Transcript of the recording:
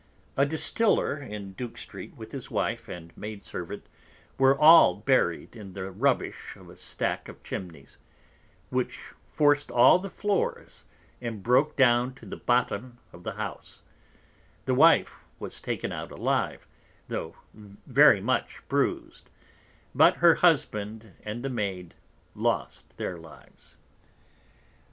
A Distiller in Duke Street, with his Wife, and Maid servant, were all buried in the Rubbish of a Stack of Chimneys, which forced all the Floors, and broke down to the Bottom of the House; the Wife was taken out alive, though very much bruised, but her Husband and the Maid lost their Lives.